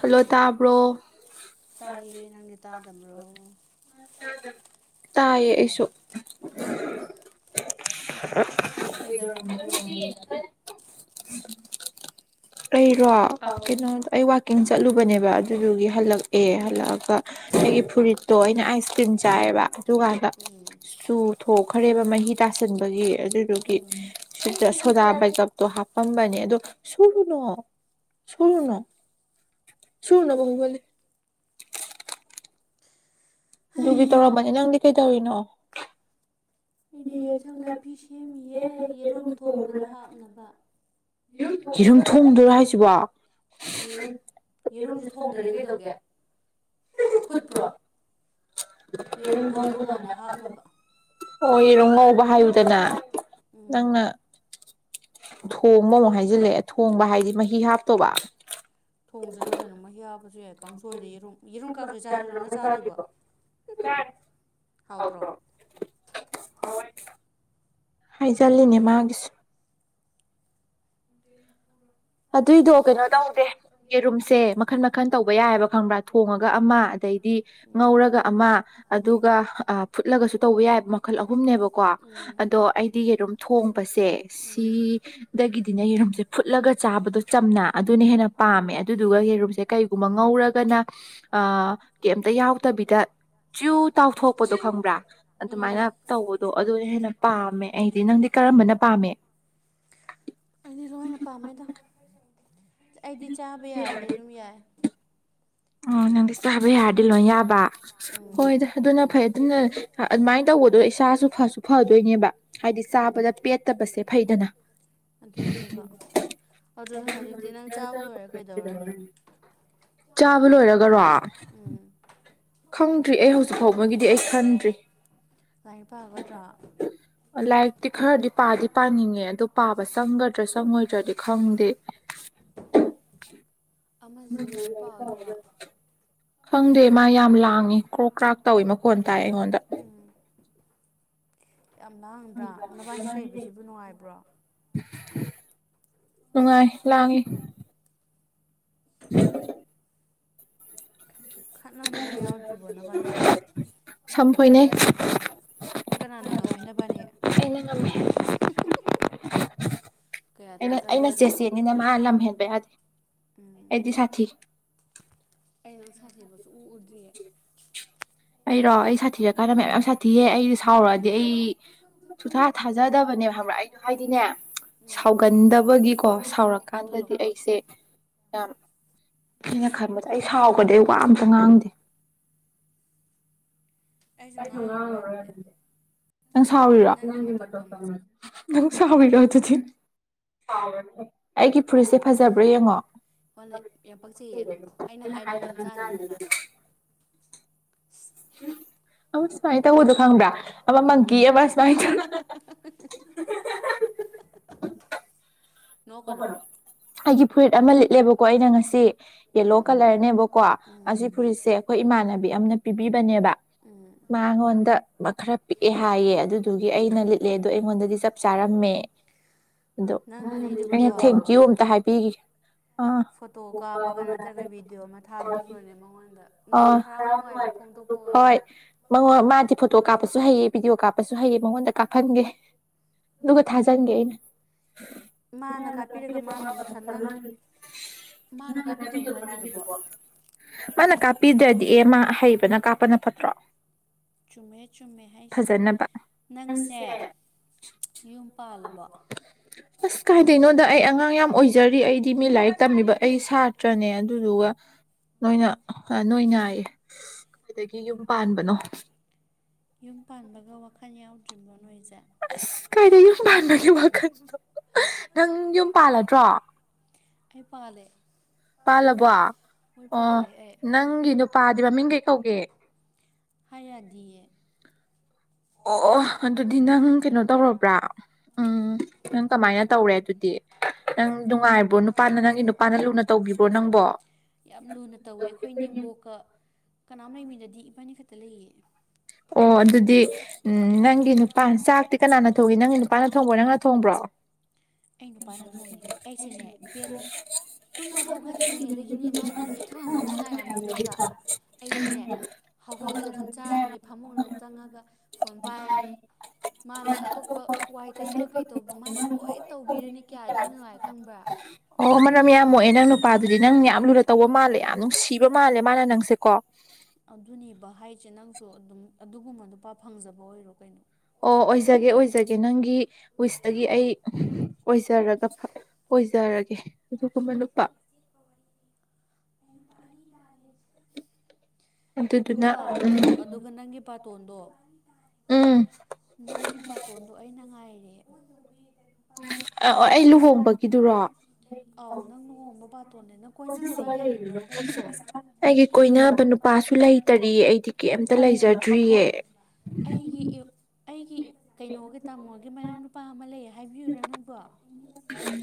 hello ꯇꯥꯕ꯭ꯔꯣ ꯇꯥꯏꯌꯦ [unintelligible] ꯑꯩ ꯗꫭ ꯀꯩꯅꯣꯝ ꯑꯩꯋꯠ ꯀꯤꯡ ꯆꯠꯂꯨꯕꯅꯦꯕ ꯑꯗꯨꯗꯨꯒꯤ ꯍꯜꯂꯛꯑꯦ ꯍꯜꯂꯛꯑꯒ ꯑꯩꯒꯤ ꯐꯨꯔꯤꯠꯇꯣ ꯑꯩꯅ ꯑꯥꯏꯁ ꯀ꯭ꯔꯤꯝ ꯆꯥꯏꯑꯕ ꯆꯨꯒꯥꯏꯕ ꯆꯨꯊꯣꯛꯈ꯭ꯔꯦꯕ ꯃꯍꯤ ꯇꯁꯤꯟꯕꯒꯤ ꯑꯗꯨꯗꯨꯒꯤ ꯁꯨꯗ ꯁꯣꯗꯥ ꯕꯥꯏꯀꯞꯇꯣ ꯍꯥꯞꯄꯝꯕꯅꯦ ꯑꯗꯣ ꯁꯨꯔꯨꯅꯣ ꯁꯨꯨꯔꯨꯅꫭ ꯁꯨꯨꯅꯕ ꯍꫭꯡꯒꯜꯂꯤ ꯑꯗꯨꯗꯤ ꯇꯧꯔꯝꯕꯅꯦ ꯅꯪꯗꯤ ꯀꯩ ꯇꯧꯔꯤꯅꯣ [unintelligible] ꯌꯨꯝ ꯊꯣꯡꯗꯣꯏꯔꯥ ꯍꯥꯏꯁꯤꯕꯣ ꯌ‌ꯦꯔꯨꯝꯗꯤ ꯊꯣꯡꯗ꯭ꯔꯗꯤ ꯀꯗꯧꯒꯦ ꯐꯨꯠꯄ꯭ꯔꯣ [unintelligible] ꯍꯣꯏꯔꯣ ꯉꯧꯕ ꯍꯥꯏꯌꯨꯗꯅ ꯅꯪꯅ ꯊꯣꯡꯕ ꯑꯃꯨꯛ ꯍꯥꯏꯖꯤꯜꯂꯦ ꯊꯣꯡꯕ ꯍꯥꯏꯗꯤ ꯃꯍꯤ ꯍꯥꯞꯇ‌ꯣꯕ ꯀꯥꯡꯁꯣꯏꯗ ꯌꯦꯔꯨꯝ ꯌꯦꯔꯨꯝ ꯀꯥꯡꯁꯣꯏ ꯆꯥꯗꯣꯏ ꯂꯅ ꯆꯥꯗ꯭ꯔꯤꯕ ꯍꯥꯎꯗ꯭ꯔꯣ ꯍꯥꯏꯩꯖꯅꯦ ꯃꯥꯒꯤꯁꯨ ꯑꯗꯨꯏꯗꯣ ꯀꯩꯅꯣ ꯇꯧꯗꯦ ꯌꯦꯔꯨꯝꯁꯦ ꯃꯈꯟ ꯃꯈꯟ ꯇꯧꯕ ꯌꯥꯏꯑꯕ ꯈꯪꯕ꯭ꯔꯥ ꯊꯣꯡꯉꯒ ꯑꯃ ꯑꯗꯩꯗꯤ ꯉꯧꯔꯒ ꯑꯃ ꯑꯗꯨꯒ ꯐꯨꯠꯂꯒꯁꯨ ꯇꯧꯕ ꯌꯥꯏꯕ ꯃꯈꯜ ꯑꯍꯨꯝꯅꯦꯕꯀꯣ ꯑꯗꯣ ꯑꯩꯗꯤ ꯌꯦꯔꯨꯝ ꯊꯣꯡꯕꯁꯦ ꯁꯤꯗꯒꯤꯗꯤꯅ ꯌꯦꯔꯨꯝꯁꯦ ꯐꯨꯠꯂꯒ ꯆꯥꯕꯗꯣ ꯆꯝꯅ ꯑꯗꯨꯅ ꯍꯦꯟꯅ ꯄꯥꯝꯃꯦ ꯑꯗꯨꯗꯨꯒ ꯍꯔꯨꯝꯁꯦ ꯀꯩꯒꯨꯝꯕ ꯉꯧꯔꯒꯅ ꯀꯩꯝꯇ ꯌꯥꯎꯗꯕꯤꯗ ꯆꯌꯨ ꯇꯥꯎꯊꯣꯛꯄꯗꯣ ꯈꯪꯕ꯭ꯔꯥ ꯑꯗꯨꯃꯥꯏꯅ ꯇꯧꯕꯗꯣ ꯑꯗꯨꯅ ꯍꯦꯟꯅ ꯄꯥꯝꯃꯦ ꯑꯩꯗꯤ ꯅꯪꯗꯤ ꯀꯔꯝꯕꯅ ꯄꯥꯝꯃꯦ ꯑꯩꯗꯤ ꯂ‌ꯣꯏꯅ ꯄꯥꯝꯃꯦ ꯑꯩꯗꯤ ꯆꯥꯕ ꯌꯥꯔꯗꯤ ꯑꯗꯨꯝ ꯌꯥꯏ ꯑꯣ ꯅꯪꯗꯤ ꯆꯥꯕ ꯌꯥꯔꯗꯤ ꯂꯣꯏ ꯌꯥꯕ ꯍꯣꯗ ꯑꯗꯨꯅ ꯐꯩ ꯑꯗꯨꯅ ꯑꯗꯨꯃꯥꯏꯅ ꯇꯧꯕꯗꯨ ꯏꯁꯥꯁꯨ ꯐꯁꯨ ꯐꯗꯣꯏꯅꯦꯕ ꯗꯤ ꯆꯥꯕꯗ ꯄꯦꯠꯇꯕꯁꯦ ꯐꯩꯗꯅ ꯑꯗꯨꯅꯦꯕ [unintelligible] ꯆꯥꯕ ꯂꯣꯏꯔꯒꯔꯣ ꯈꯪꯗ꯭ꯔꯤ ꯑꯩ ꯍꯧꯖꯤꯛ ꯐꯥꯎꯕꯒꯤꯗꯤ ꯑꯩ ꯈꯥꯟꯗ꯭ꯔꯤ ꯂꯥꯏꯔꯤꯛ ꯄꯥꯒꯗ꯭ꯔꯣ ꯂꯥꯏꯔꯤꯛꯇꯤ ꯈꯔꯗꯤ ꯄꯥꯗꯤ ꯄꯥꯅꯤꯡꯉꯦ ꯑꯗꯨꯗꯣ ꯄꯥꯕ ꯆꯪꯒꯗ꯭ꯔꯥ ꯆꯪꯉꯣꯏꯗ꯭ꯔꯗꯤ ꯈꯪꯗꯦ [unintelligible] ꯑ ꯂꯥꯏꯔꯤꯛ ꯞꯥꯕꯒ ꯌꯥꯗꯦ [inaudible] ꯈꯪꯗꯦ ꯃꯥ ꯌꯥꯝ ꯂꯥꯡꯏꯤ ꯀ꯭ꯔꯣꯛ ꯀ꯭ꯔꯥꯛ ꯇꯧꯏꯤ ꯃꯈꯣꯟ ꯇꯥꯏ ꯑꯩꯉꯣꯟꯗ ꯌꯥꯝ ꯂꯥꯡꯗ꯭ꯔꯥ ꯅꯕꯥꯟꯅꯤ ꯂꯩꯕꯁꯤꯕꯨ ꯅꯨꯡꯉꯥꯏꯕ꯭ꯔꯣ ꯅꯨꯡꯉꯥꯏ ꯂꯥꯡꯉꯤ [unintelligible] ꯁꯥꯝꯐꯣꯏꯅꯩ ꯀꯅꯥꯅ ꯉꯝꯃꯤ ꯅꯕꯥꯟꯅꯤ ꯑꯩꯅ ꯑꯩꯅ ꯆꯦ ꯆꯦꯅꯤꯅ ꯃꯥ ꯂꯝ ꯍꯦꯟꯕ ꯌꯥꯗꯦ ꯑꯩꯗꯤ ꯁꯥꯊꯤ ꯑꯩꯅꯥ ꯅꯪ ꯁꯥꯊꯤꯕ ꯁꯨꯉꯨ ꯎꯗ꯭ꯔꯤꯌꯦ ꯁꯥꯎꯒꯟꯗꯕꯒꯤꯀꯣ ꯁꯥꯎꯔꯀꯥꯟꯗꯗꯤ ꯑꯩꯁꯦ ꯌꯥꯝ ꯑꯩꯅ ꯈꯟꯕꯗ ꯑꯩ ꯁꯥꯎꯈ꯭ꯔꯗꯤ ꯑꯩ ꯋꯥ ꯑꯝꯃꯥ ꯉꯥꯡꯗꯦ ꯅꯪ ꯁꯥꯎꯔꯤꯔꯣ [inaudible] ꯅꯪ ꯁꯥꯎꯔꯤꯔꯣ ꯑꯗꯨꯗꯤ ꯑꯩꯒꯤ ꯐꯨꯔꯤꯠꯁꯦ ꯐꯖꯕ꯭ꯔꯥ ꯌꯦꯡꯉꯣ ꯍꯅꯦ ꯌꯥꯝ ꯄꯥꯛꯆꯩꯌꯦ ꯑꯗꯨꯝ ꯑꯩꯅ ꯍꯥꯏꯗꯔ ꯅꯪ ꯆꯥꯅꯤꯗꯅ ꯑꯃ ꯁꯨꯃꯥꯏꯅ ꯇꯧꯕꯅꯣ ꯈꯪꯕ꯭ꯔꯥ ꯑꯃ ꯃꯪꯒ‌ꯤ ꯑꯃ ꯁꯨꯃꯥꯏꯅ ꯇꯧ [unintelligible] ꯅꯣꯛꯀꯅ‌ꯣ ꯐꯨꯔꯤꯠ ꯑꯃ ꯂꯤꯠꯂꯦꯕꯀꯣ ꯑꯩꯅ ꯉꯁꯤ ꯌꯦꯂꯣ ꯀꯂꯔꯅꯦꯕꯀꯣ ꯑꯁꯤ ꯐꯨꯔꯤꯠꯁꯦ ꯑꯩꯈꯣꯏ ꯏꯃꯥꯟꯅꯕꯤ ꯑꯃꯅ ꯄꯤꯕꯤꯕꯅꯦꯕ ꯃꯥꯉꯣꯟꯗ ꯈꯔ ꯄꯤꯛꯑꯦ ꯍꯥꯏꯌꯦ ꯑꯗꯨꯗꯨꯒꯤ ꯑꯩꯅ ꯂꯤꯠꯂꯦ ꯑꯗꯨ ꯑꯩꯉꯣꯟꯗꯗꯤ ꯆꯞ ꯆꯥꯔꯝꯃꯦ ꯑꯗꯣ ꯑꯩꯅ ꯊꯦꯡꯀ꯭ꯌꯨ ꯑꯝꯇ ꯍꯥꯏꯕꯤꯒꯦ ꯐꯣꯇꯣ ꯀꯥꯞꯄꯒ ꯅꯠꯇ꯭ꯔꯒ ꯚꯤꯗꯤꯑꯣ ꯑꯃ ꯊꯥꯕꯤꯈ꯭ꯔꯣꯅꯦ ꯃꯉꯣꯟꯗ ꯍꯔꯥꯎ ꯅꯨꯡꯉꯥꯏꯕ ꯐꯣꯡ ꯍꯣꯏ ꯃꯉꯣꯟ ꯃꯥꯗꯤ ꯐꯣꯇꯣ ꯀꯥꯞꯄꯁꯨ ꯍꯩꯌꯦ ꯚꯤꯗꯤꯑꯣ ꯀꯥꯞꯄꯁꯨ ꯍꯩꯑ ꯃꯉꯣꯟꯗ ꯀꯥꯞꯍꯟꯒꯦ ꯑꯗꯨꯒꯥ ꯊꯥꯖꯤꯟꯀꯦ [inaudible] ꯃꯥꯅ ꯀꯥꯞꯄꯤꯗ꯭ꯔꯗꯤ ꯑꯦ ꯃꯥ ꯍꯩꯕꯅ ꯀꯥꯞꯄꯅ ꯐꯠꯇ꯭ꯔꯣ ꯆꯨꯝꯃꯦ ꯆꯨꯝꯃꯦ ꯍꯥꯏꯁꯦ ꯅꯪꯁꯦ ꯌꯨꯝ ꯄꯥꯜꯂꯕꯣ ꯀꯥꯏꯗꯩꯅꯣꯗ ꯑꯩ ꯑꯉꯥꯡ ꯌꯥꯝ ꯑꯣꯏꯖꯔꯤ ꯑꯩꯗꯤ ꯃꯤ ꯂꯥꯏꯔꯤꯛ ꯇꯝꯃꯤꯕ ꯑꯩ ꯁꯥꯇ꯭ꯔꯅꯦ ꯑꯗꯨꯗꯨꯒ ꯅꯣꯏꯅ ꯅꯣꯏ ꯍꯥꯏ ꯀꯥꯢꯗꯒꯤ ꯌꯨꯝ ꯄꯥꯟꯕꯅꯣ ꯌꯨꯝ ꯄꯥꯟꯕꯒ ꯋꯥꯈꯜ ꯌꯥꯎꯗ꯭ꯔꯤꯕ ꯅꯣꯏꯁꯦ ꯑꯁ ꯀꯥꯏꯗꯩꯩ ꯌꯨꯝ ꯄꯥꯟꯕꯒꯤ ꯋꯥꯈꯜꯅꯣ ꯅꯪ ꯌꯨꯝ ꯄꯥꯜꯂꯗ꯭ꯔꯣ ꯑꯩ ꯄꯥꯂꯦ ꯄꯥꯜꯂꯕꯣ ꯑꯣ ꯅꯪꯒꯤ ꯅꯨꯄꯥꯗꯤ ꯃꯃꯤꯡ ꯀꯩ ꯀꯧꯒꯦ ꯍꯥꯏ ꯌꯥꯗꯦ ꯑꯣ ꯑꯗꯨꯗꯤ ꯅꯪ ꯀꯩꯅꯣ ꯇꯧꯔꯕ꯭ꯔꯥ ꯎꯝ ꯅꯪ ꯀꯃꯥꯏꯅ ꯇꯧꯔꯦ ꯑꯗꯨꯗꯤ ꯅꯪ ꯅꯨꯡꯉꯥꯏꯕ꯭ꯔꯣ ꯅꯨꯄꯥꯅ ꯅꯪꯒꯤ ꯅꯨꯄꯥꯅ ꯂꯨꯅ ꯇꯧꯕꯕ꯭ꯔꯣ ꯅꯪꯕꯣ ꯌꯥꯝ ꯂꯨꯅ ꯇꯧꯋꯦ ꯑꯩꯈꯣꯏ ꯏꯅꯦꯝꯕꯣꯛꯀꯥ ꯀꯅꯥ ꯑꯗꯨꯗꯤ ꯏꯕꯥꯟꯅꯤ ꯈꯛꯇ ꯂꯩꯌꯦ ꯑꯣ ꯑꯗꯨꯗꯤ ꯎꯝ ꯅꯪꯒꯤ ꯅꯨꯄꯥ ꯆꯥꯛꯇꯤ ꯀꯅꯥꯅ ꯊꯣꯡꯏ ꯅꯪꯒꯤ ꯅꯨꯄꯥꯅ ꯊꯣꯡꯕ꯭ꯔꯣ ꯅꯪꯅ ꯊꯣꯡꯕ꯭ꯔꯣ ꯑꯩ ꯅꯨꯄꯥꯅ ꯊꯣꯡꯉꯤ ꯑꯩꯁꯤꯅꯦ ꯕꯦꯠ ꯇꯨꯝꯕ ꯍꯧꯒꯠꯇ꯭ꯔꯤꯉꯩꯗꯒꯤꯅꯤ ꯃꯥꯅ ꯂꯣꯏ ꯊꯣꯡꯉꯝꯃꯒ ꯉꯥꯏꯔꯝꯃꯦ ꯑꯌꯨꯛꯇ ꯑꯩꯗꯤꯅꯦ ꯍꯧꯒꯠꯂꯒ ꯑꯗꯨꯝ ꯆꯥꯔꯅꯤ ꯐꯃꯨꯡꯗ ꯆꯪꯉꯒ ꯐꯣꯟ ꯄꯥꯏꯔꯅꯤ ꯃꯥꯅ ꯑꯇꯣꯞꯄ ꯋꯥꯏ ꯇꯩꯕ ꯀꯩꯇꯧꯕ ꯃꯥꯅ ꯂꯣꯏ ꯀꯧꯕꯤꯔꯅꯤ ꯀꯌꯥ ꯑꯗꯨꯅ ꯅꯨꯡꯉꯥꯏ ꯈꯪꯕ꯭ꯔꯥ ꯃꯔꯝ ꯌꯥꯝ ꯃꯣꯛꯑꯦ ꯅꯪ ꯅꯨꯄꯥꯗꯨꯗꯤ ꯅꯪ ꯌꯥꯝ ꯂꯨꯨꯅ ꯇꯧꯕ ꯃꯥꯜꯂꯦ ꯌꯥꯝ ꯅꯨꯡꯁꯤꯕ ꯃꯥꯜꯂꯦ ꯃꯥꯅ ꯅꯪꯁꯦ ꯀꯣ ꯆꯦ ꯅꯪꯁꯨ ꯑꯗꯨꯝ ꯑꯗꯨꯒꯨꯝꯕ ꯅꯨꯄꯥ ꯐꯪꯖꯕ ꯑꯣꯏꯔꯣ ꯀꯩꯅꯣ ꯑꯣ ꯑꯣꯏꯖꯒꯦ ꯑꯣꯏꯖꯒꯦ ꯅꯪꯒꯤ ꯋꯤꯁꯇꯒꯤ ꯑꯩ ꯑꯣꯏꯖꯔꯒ ꯑꯣꯏꯖꯔꯒꯦ ꯑꯗꯨꯒꯨꯝꯕ ꯅꯨꯄꯥ [inaudible] ꯌꯨꯝ ꯄꯥꯜꯂꯣ ꯀꯩꯅꯣ ꯑꯗꯨꯒ ꯅꯪꯒꯤ ꯄꯥꯇꯣꯟꯗꯣ ꯅꯪꯒꯤ ꯕꯥꯇꯣꯟꯗꯣ ꯑꯩꯅ ꯉꯥꯏꯔꯦ ꯑ ꯑꯣ ꯑꯩ ꯂꯨꯍꯣꯡꯕꯒꯤꯗꯨꯔꯣ ꯑꯩꯒꯤ ꯀꯣꯏꯅꯕ ꯅꯨꯄꯥꯁꯨ ꯁꯨ ꯂꯩꯇꯔꯤꯌꯦ ꯑꯩꯗꯤ ꯀꯩꯝꯇ ꯂꯩꯖꯗ꯭ꯔꯤꯌꯦ ꯑꯩꯒꯤ ꯀꯩꯅꯣꯒꯤ ꯇꯥꯃꯣꯒꯤ ꯃꯅꯥꯎꯅꯨꯄꯥ ꯑꯃ ꯂꯩ ꯍꯥꯏꯕꯤꯌꯨꯔꯥ ꯅꯪꯕꯨ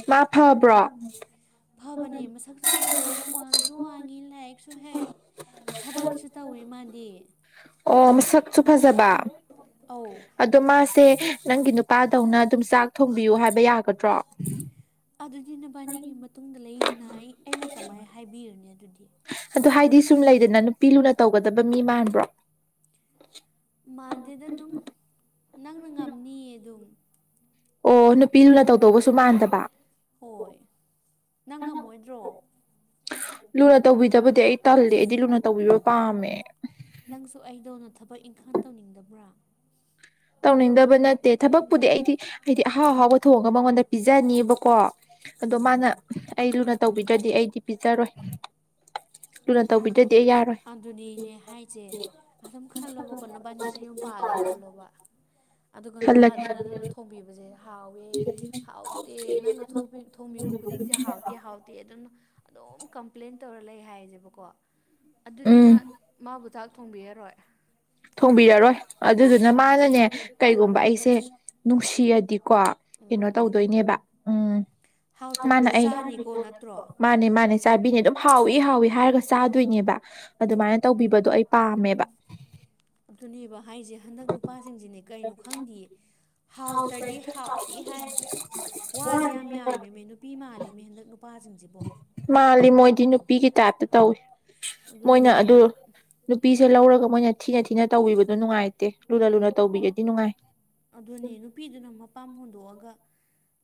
ꯃꯥ ꯐꯥꯕ꯭ꯔꯣ ꯐꯕꯅꯦ ꯃꯁꯛꯁꯨ ꯐꯖꯩ ꯋꯥꯡꯁꯨ ꯋꯥꯡꯉꯤ ꯂꯥꯏꯔꯤꯛꯁꯨ ꯍꯩ ꯊꯕꯛꯁꯨ ꯇꯧꯋꯦ ꯃꯥꯗꯤ ꯑꯣ ꯃꯁꯛꯁꯨ ꯐꯖꯕ ꯑꯗꯣ ꯃꯥꯁꯦ ꯅꯪꯒꯤ ꯅꯨꯄꯥꯗꯧꯅ ꯑꯗꯨꯝ ꯆꯥꯛ ꯊꯣꯡꯕꯤꯌꯨ ꯍꯥꯏꯕ ꯌꯥꯒꯗ꯭ꯔꯣ ꯑꯗꯨꯗꯤ ꯅꯕꯥꯅꯤꯒꯤ ꯃꯇꯨꯡꯗ ꯂꯩꯗꯅ ꯑꯩ ꯑꯩꯅ ꯀꯃꯥꯏꯅ ꯍꯥꯏꯕꯤꯔꯨꯅꯤ ꯑꯗꯨ ꯍꯥꯏꯗꯤ ꯁꯨꯝ ꯂꯩꯗꯅ ꯅꯨꯄꯤ ꯂꯨꯅ ꯇꯧꯒꯗꯕ ꯃꯤ ꯃꯥꯟꯕ꯭ꯔꯣ ꯅꯪꯅ ꯉꯝꯅꯤꯌꯦ ꯑꯗꯨꯝ ꯑꯣ ꯅꯨꯄꯤ ꯂꯨꯅ ꯇꯧꯗꯨꯕꯁꯨ ꯃꯥꯟꯗꯕ ꯅꯪ ꯉꯝꯃꯣꯏꯗ꯭ꯔꯣ ꯂꯨꯅ ꯇꯧꯕꯤꯗꯕꯗꯤ ꯑꯩ ꯇꯜꯂꯦ ꯑꯩꯗꯤ ꯂꯨꯅ ꯇꯧꯕꯤꯕ ꯄꯥꯝꯃꯦ ꯅꯪꯁꯨ ꯑꯩꯗꯧꯅ ꯊꯕꯛ ꯏꯪꯈꯥꯡ ꯇꯧꯅꯤꯡꯗꯕ꯭ꯔꯥ ꯇꯧꯅꯤꯡꯗꯕ ꯅꯠꯇꯦ ꯊꯕꯛꯄꯨꯗꯤ ꯑꯩꯗꯤ ꯍꯥꯏꯗꯤ ꯑꯍꯥꯎ ꯑꯍꯥꯎꯕ ꯊꯣꯡꯉꯒ ꯃꯉꯣꯟꯗ ꯄꯤꯖꯅꯤꯕꯀꯣ ꯑꯗꯣ ꯃꯥꯅ ꯑꯩ ꯂꯨꯅ ꯇꯧꯕꯤꯗ꯭ꯔꯗꯤ ꯑꯩꯗꯤ ꯄꯤꯖꯔꯣꯏ ꯂꯨꯅ ꯇꯧꯕꯤꯗ꯭ꯔꯗꯤ ꯑꯩ ꯌꯥꯔꯣꯏ ꯥꯔꯦ [inaudible] ꯑꯗꯨꯒ ꯅꯨꯄꯥꯗꯨꯅ ꯅꯪꯅ ꯊꯣꯡꯕꯤꯕꯁꯦ ꯍꯥꯎꯋꯦ ꯍꯥꯎꯇꯦ ꯅꯪꯅ ꯊꯣꯡꯕꯤꯕ ꯈꯨꯗꯤꯡꯁꯦ ꯍꯥꯎꯇꯦ ꯍꯥꯎꯇꯦ ꯑꯗꯨꯝ ꯑꯗꯨꯝ ꯀꯝꯄ꯭ꯂꯦꯟ ꯇꯧꯔ ꯂꯩ ꯍꯥꯏꯁꯦꯕꯀꯣ ꯑꯗꯨꯗꯤꯅ ꯃꯥꯕꯨ ꯆꯥꯛ ꯊꯣꯡꯕꯤꯔꯔꯣꯏ ꯊꯣꯡꯕꯤꯔꯔꯣꯏ ꯑꯗꯨꯗꯨꯅ ꯃꯥꯅꯅꯦ ꯀꯩꯒꯨꯝꯕ ꯑꯩꯁꯦ ꯅꯨꯡꯁꯤꯔꯗꯤ ꯀꯣ ꯀꯩꯅꯣ ꯇꯧꯗꯣꯏꯅꯦꯕ ꯎꯝ ꯃꯥꯅ ꯑꯩ ꯃꯥꯅꯦ ꯃꯥꯅꯦ ꯆꯥꯕꯤꯅꯤ ꯑꯗꯨꯝ ꯍꯥꯎꯏ ꯍꯥꯎꯏ ꯍꯥꯏꯔꯒꯁ ꯆꯥꯗꯣꯏꯅꯦꯕ ꯑꯗꯨꯃꯥꯏꯅ ꯇꯧꯕꯤꯕꯗꯣ ꯑꯩ ꯄꯥꯝꯃꯦꯕ ꯑꯗꯨꯅꯤꯕ ꯍꯥꯏꯁꯦ ꯍꯟꯗꯛ ꯅꯨꯄꯥꯁꯤꯡꯁꯤꯅꯦ ꯀꯩꯅꯣ ꯈꯪꯗꯦꯌꯦ ꯍꯥꯎꯇ꯭ꯔꯗꯤ ꯍꯥꯎꯇꯦ ꯍꯥꯏ ꯋꯥꯁꯦ ꯌꯥꯝ ꯌꯥꯝꯃꯦꯃꯦ ꯅꯨꯄꯤ ꯃꯥꯜꯂꯤꯃꯦ ꯍꯟꯗꯛ ꯅꯨꯄꯥꯁꯤꯡꯁꯤꯕꯨ ꯃꯣꯏꯗꯤ ꯅꯨꯄꯤꯒꯤ ꯇꯥꯏꯞꯇ ꯇꯧꯏꯤ ꯃꯣꯏꯅ ꯑꯗꯨ ꯅꯨꯄꯤꯁꯦ ꯂꯧꯔꯒ ꯃꯣꯏꯅ ꯊꯤꯅ ꯊꯤꯅ ꯇꯧꯕꯤꯕꯗꯣ ꯅꯨꯡꯉꯥꯏꯇꯦ ꯂꯨꯅ ꯂꯨꯅ ꯇꯧꯕꯤꯔꯗꯤ ꯅꯨꯡꯉꯥꯏ ꯑꯗꯨꯅꯦ ꯅꯨꯄꯤꯗꯨꯅ ꯃꯄꯥꯝ ꯍꯨꯟꯗꯣꯛꯑꯒ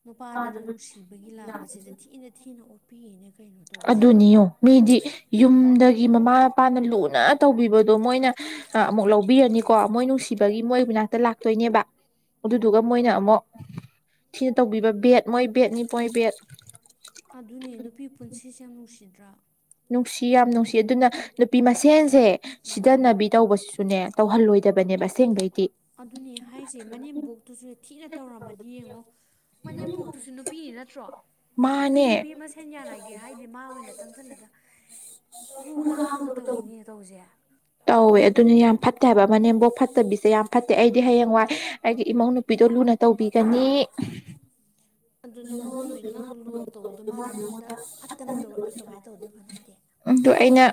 ꯅꯨꯄꯥꯗꯨꯗ ꯅꯨꯡꯁꯤꯕꯒꯤ ꯂꯥꯛꯄꯗꯨꯗ ꯊꯤꯅ ꯊꯤꯅ ꯑꯣꯠꯄꯤꯌꯦꯅꯩ ꯀꯩꯅꯣ ꯇꯧꯕꯁꯤꯕꯣ ꯌꯨꯝꯗꯒꯤ ꯃꯃꯥ ꯃꯄꯥꯅ ꯂꯨꯅ ꯇꯧꯕꯤꯕꯗꯣ ꯃꯣꯏꯅ ꯑꯃꯨꯛ ꯂꯧꯕ ꯊꯕꯤꯔꯅꯤꯀꯣ ꯃꯣꯏ ꯅꯨꯡꯁꯤꯕꯒꯤ ꯃꯣꯏꯅꯥꯛꯇ ꯂꯥꯛꯇꯣꯏꯅꯦꯕ ꯑꯗꯨꯗꯨꯒ ꯃꯣꯏꯅ ꯑꯃꯨꯛ ꯁꯤꯅ ꯇꯧꯕꯤꯕ ꯕꯦꯠ ꯃꯣꯏ ꯕꯦꯠꯅꯤ ꯃꯣꯏ ꯕꯦꯠ ꯅꯨꯡꯁꯤꯗ꯭ꯔꯥ ꯅꯨꯡꯁꯤ ꯌꯥꯝ ꯅꯨꯡꯁꯤ ꯑꯗꯨꯅ ꯅꯨꯄꯤ ꯃꯁꯦꯟꯁꯦ ꯁꯤꯗꯟꯅꯕꯤ ꯇꯧꯕꯁꯤꯁꯨꯅꯦ ꯇꯧꯍꯜꯂꯣꯏꯗꯕꯅꯦꯕ ꯑꯁꯦꯡꯗꯩꯗꯤ ꯑꯗꯨꯅꯤ ꯍꯥꯏꯁꯦ ꯃꯅꯦꯝꯕꯣꯛꯇꯁꯨ ꯊꯤꯅ ꯇꯧꯔꯝꯃꯗꯤ ꯌꯦꯡꯉꯣ ꯃꯅꯦꯝꯄꯣꯛꯇꯨꯁꯨ ꯅꯨꯄꯤꯅꯤ ꯅꯠꯇ꯭ꯔꯣ ꯅꯨꯄꯤ ꯅꯨꯄꯤ ꯑꯃ ꯁꯦꯟ ꯌꯥꯅꯒꯦ ꯍꯥꯏꯗꯤ ꯃꯥ ꯑꯣꯏꯅ ꯆꯪꯁꯤꯜꯂꯒ ꯎ ꯇꯧꯏꯤꯅꯦ ꯇꯧꯁꯦ ꯇꯧꯋꯦ ꯑꯗꯨꯅ ꯌꯥꯝ ꯐꯠꯇꯦ ꯍꯥꯏꯕ ꯃꯅꯦꯝꯕꯣꯛ ꯐꯠꯇꯕꯤꯁꯦ ꯌꯥꯝ ꯐꯠꯇꯦ ꯑꯩꯗꯤ ꯍꯌꯦꯡꯋꯥꯏ ꯑꯩꯒꯤ ꯏꯃꯧ ꯅꯨꯄꯤ ꯑꯗꯨ ꯂꯨꯅ ꯇꯧꯕꯤꯒꯅꯤ [inaudible] ꯑꯗꯨ ꯑꯩꯅ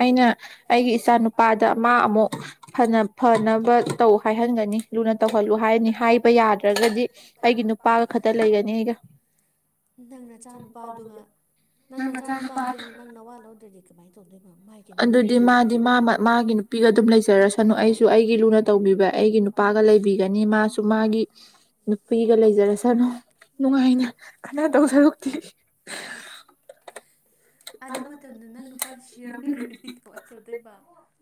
ꯑꯩꯅ ꯑꯩꯒꯤ ꯏꯆꯥꯅꯨ ꯅꯨꯄꯥꯗ ꯃꯥ ꯑꯃꯨꯛ ꯐꯅ ꯐꯅꯕ ꯇꯧ ꯍꯥꯏꯍꯟꯒꯅꯤ ꯂꯨꯅ ꯇꯧꯍꯜꯂꯨ ꯍꯥꯏꯅꯤ ꯍꯥꯏꯕ ꯌꯥꯗ꯭ꯔꯒꯗꯤ ꯑꯩꯒꯤ ꯅꯨꯄꯥꯒ ꯈꯛꯇ ꯂꯩꯒꯅꯤꯒ ꯅꯪ ꯅꯆꯥ ꯅꯨꯨꯄꯥꯗꯨꯒ ꯅꯪ ꯅꯆꯥꯅꯨꯄꯥꯗꯨꯅ ꯅꯪ ꯅꯋꯥꯠꯍꯧꯗ꯭ꯔꯗꯤ ꯀꯃꯥꯏꯅ ꯇꯧꯗꯣꯏꯅ ꯑꯗꯨꯗꯤ ꯃꯥꯗꯤ ꯃꯥ ꯃꯥꯒꯤ ꯅꯨꯄꯤꯒ ꯑꯗꯨꯝ ꯂꯩꯖꯔꯁꯅꯨ ꯑꯩꯁꯨ ꯑꯩꯒꯤ ꯂꯨꯅ ꯇꯧꯕꯤꯕ ꯑꯩꯒꯤ ꯅꯨꯄꯥꯒ ꯂꯩꯕꯤꯒꯅꯤ ꯃꯥꯁꯨ ꯃꯥꯒꯤ ꯅꯨꯄꯤꯒ ꯂꯩꯖꯔꯁꯅꯨ ꯅꯨꯡꯉꯥꯏꯅ ꯀꯅꯥ ꯇꯧ ꯁꯂꯛꯇꯦ ꯑꯗꯨ ꯃꯇꯝꯗ ꯅꯪ ꯅꯨꯄꯥꯁꯤ ꯌꯥꯝ ꯀꯔꯤꯔꯤ ꯀꯋꯥ ꯇꯧꯗꯣꯏꯕ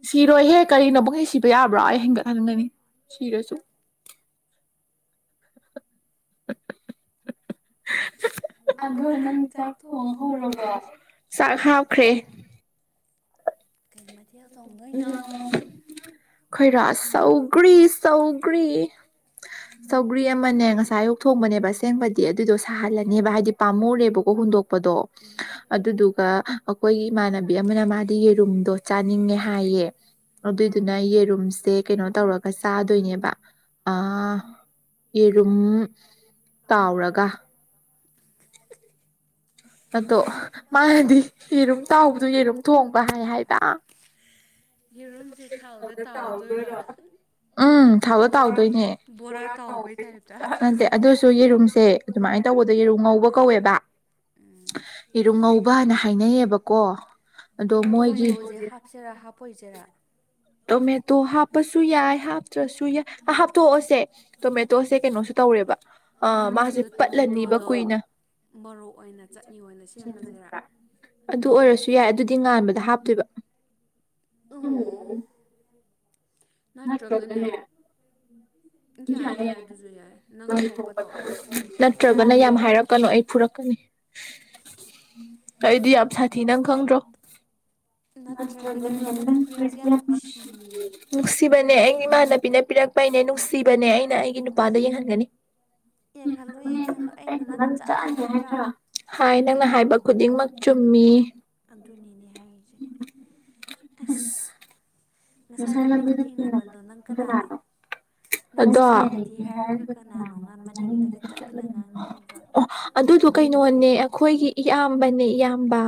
ꯁꯤꯔꯣꯏꯍꯦ ꯀꯔꯤꯅꯣꯕꯨꯛ ꯍꯦ ꯁꯤꯕ ꯌꯥꯕ꯭ꯔꯥ ꯑꯩ ꯍꯦꯟꯒꯠꯍꯟꯒꯅꯤ ꯁꯤꯔꯁꯨ [inaudible] ꯑꯗꯨ ꯅꯪꯅ ꯆꯥꯛ ꯊꯣꯡꯔꯒ ꯆꯥꯛ ꯍꯥꯞꯈ꯭ꯔꯦ [inaudible] ꯀꯩꯃꯗꯤꯌꯥ ꯇ ꯍꯗꯅ ꯈꯣꯏꯔꯥ ꯁꯧꯒ꯭ꯔꯤ ꯁꯧꯒ꯭ꯔꯤ ꯆꯧꯒ꯭ꯔꯤ ꯑꯃꯅꯦ ꯉꯁꯥꯏꯌꯨꯛ ꯊꯣꯡꯕꯅꯦꯕ ꯑꯁꯦꯡꯕꯗꯤ ꯑꯗꯨꯗ ꯁꯥꯍꯜꯂꯅꯦꯕ ꯍꯥꯏꯗꯤ ꯄꯥꯝꯃꯧꯦꯕꯀ ꯍꯨꯗꯣꯛ ꯗꯣ ꯑꯗꯨꯗꯨꯒ ꯑꯩꯈꯣꯏꯒꯤ ꯏꯃꯥꯟꯅꯕꯤ ꯑꯃꯅ ꯃꯥꯗꯤ ꯒꯤꯔꯨꯝꯗꯣ ꯆꯥꯅꯤꯡꯉꯦ ꯍꯥꯏꯌꯦ ꯑꯗꯨ ꯅ ꯌꯦꯔꯨꯝꯁꯦ ꯀꯩꯅꯣ ꯇꯧꯔꯒ ꯆꯥꯗꯣꯏꯅꯦꯕ ꯑ ꯌꯦꯔꯨꯝ ꯇꯥꯎꯔꯒ ꯑꯗꯣ ꯃꯥꯅꯗꯤ ꯌꯦꯔꯨꯝ ꯇꯥꯎꯕꯗꯣ ꯌꯦꯔꯨꯝ ꯊꯣꯡꯕ ꯍꯥꯏ ꯍꯥꯏꯕ ꯌꯦꯔꯨꯝꯁꯦ ꯊꯥꯎꯗ ꯇꯥꯎꯍꯧꯗꯣꯏꯔꯣ ꯎꯝ ꯊꯥꯎꯗ ꯇꯥꯎꯗꯣꯏꯅꯦꯅꯗꯦ ꯑꯗꯨꯁꯨ ꯌꯦꯔꯨꯝꯁꯦ ꯑꯗꯨꯃꯥꯏꯅ ꯇꯧꯕꯗ ꯌꯦꯔꯨ ꯉꯧꯕ ꯀꯧꯋꯦꯕ ꯏꯔꯨꯡ ꯉꯧꯕꯅ ꯍꯥꯏꯅꯩꯌꯦꯕꯀꯣ ꯑꯣ ꯇꯣꯃꯦꯇꯣꯁꯦ ꯍꯥꯞꯁꯤꯦꯔꯥ ꯍꯥꯞꯄꯣꯏꯁꯤꯔꯥ ꯇꯣꯃꯦꯇꯣ ꯍꯥꯞꯄꯁꯨ ꯌꯥꯏ ꯍꯥꯞꯇ꯭ꯔꯁꯨ ꯌꯥꯏ ꯍꯥꯞꯇꯣꯛꯑꯣꯁꯦ ꯇꯣꯃꯦꯇꯣꯁꯦ ꯀꯩꯅꯣꯁꯨ ꯇꯧ ꯇꯧꯔꯦꯕ ꯑ ꯃꯥꯁꯦ ꯄꯠꯂꯅꯤꯕ ꯀꯨꯏꯅ ꯃꯔꯣꯔꯣꯛ ꯑꯣꯏꯅ ꯆꯠꯅꯤ ꯑꯣꯏꯅ ꯁꯦꯝꯃꯁꯤꯔꯥ ꯑꯗꯨ ꯑꯣꯏꯔꯁꯨ ꯌꯥꯏ ꯑꯗꯨꯗꯤ ꯉꯥꯟꯕꯗ ꯍꯥꯞꯇꯣꯏꯕ ꯎ ꯅꯠꯇ꯭ꯔꯒꯅꯦ ꯌꯥꯏ ꯌꯥꯏ ꯑꯗꯨꯁꯨ ꯌꯥꯏ ꯅꯪ ꯊꯣꯛꯄ ꯇꯧꯔꯔꯣ ꯈꯪꯗꯦ ꯑꯦ ꯌꯥꯗꯤ ꯌꯥꯏ ꯅꯤ ꯑꯩꯗꯤ ꯌꯥꯝ ꯁꯥꯊꯤ ꯅꯪ ꯈꯪꯗ꯭ꯔꯣ ꯃꯔꯤ ꯅꯨꯡꯁꯤꯕꯅꯦ ꯑꯩꯒꯤ ꯏꯃꯥꯟꯅꯕꯤꯅ ꯄꯤꯔꯛꯄꯅꯦ ꯅꯨꯡꯁꯤꯕꯅꯦ ꯑꯩꯅ ꯑꯩꯒꯤ ꯅꯨꯄꯥꯗ ꯌꯦꯡꯍꯟꯒꯅꯤ ꯍꯥꯏ ꯅꯪꯅ ꯍꯥꯏꯕ ꯈꯨꯗꯤꯡꯃꯛ ꯆꯨꯝ ꯃꯤ ꯑꯗꯨꯅꯤꯅꯦ ꯍꯥꯏꯔꯤꯁꯦ ꯁ ꯉꯁꯥꯏ ꯂꯝꯕꯤꯗ ꯊꯦꯡꯅꯕꯗꯣ ꯅꯪ ꯀꯅꯥꯅꯣ ꯑꯗꯣ ꯑꯗꯨꯗꯨ ꯀꯩꯅꯣꯅꯦ ꯑꯩꯈꯣꯏꯒꯤ ꯏꯌꯥꯝꯕꯅꯦ ꯏꯌꯥꯝꯕ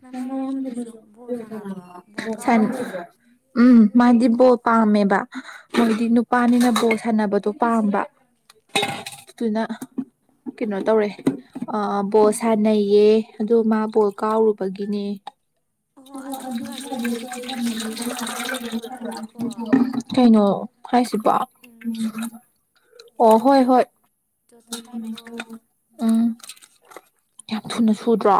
ꯅꯪꯅ ꯑꯌꯥꯝꯕꯗꯨꯁꯨ ꯕꯣ ꯁꯥꯟꯅꯕ꯭ꯔꯣ ꯕꯣ ꯀꯥꯎ ꯍꯩꯕ꯭ꯔꯣ ꯎꯝ ꯃꯥꯗꯤ ꯕꯣꯜ ꯄꯥꯝꯃꯦꯕ ꯃꯣꯏꯗꯤ ꯅꯨꯄꯥꯅꯤꯅ ꯕꯣꯜ ꯁꯥꯟꯅꯕꯗꯣ ꯄꯥꯝꯕ ꯑꯗꯨꯅ ꯀꯩꯅꯣ ꯇꯧꯔꯦ ꯕꯣꯁ ꯁꯥꯟꯅꯩꯌꯦ ꯑꯗꯣ ꯃꯥ ꯕꯣꯜ ꯀꯥꯎꯔꯨꯕꯒꯤꯅꯦ ꯀꯩꯅꯣ ꯍꯥꯏꯁꯤꯕꯣ ꯑꯣ ꯍꯣꯏ ꯍꯣꯏ ꯎꯝ ꯌꯥꯝ ꯊꯨꯅ ꯁꯨꯗ꯭ꯔꯣ